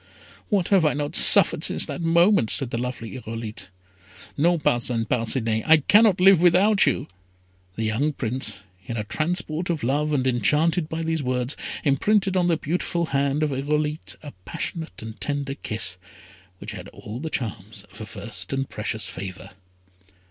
"What have I not suffered since that moment!" said the lovely Irolite. "No, Parcin Parcinet, I cannot live without you!" The young Prince, in a transport of love, and enchanted by these words, imprinted on the beautiful hand of Irolite a passionate and tender kiss, which had all the charms of a first and precious favour.